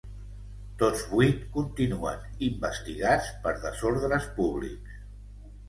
Tots vuit continuen investigats per desordres públics.